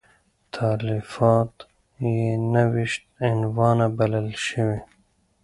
تالیفات یې نهه ویشت عنوانه بلل شوي.